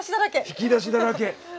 引き出しだらけ。